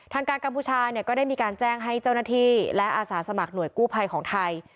ทางการกัมพูชาเนี่ยก็ได้มีการแจ้งให้เจ้าหน้าที่และอาสาสมัครหน่วยกู้ภัยของไทย